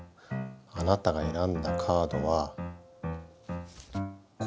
あなたがえらんだカードはこれですね。